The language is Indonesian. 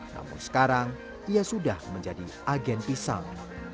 namun sekarang ia sudah menjadi agen pisang